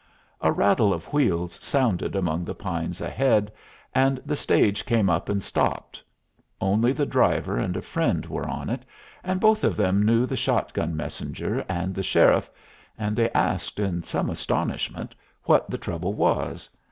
A rattle of wheels sounded among the pines ahead, and the stage came up and stopped. Only the driver and a friend were on it, and both of them knew the shot gun messenger and the sheriff, and they asked in some astonishment what the trouble was.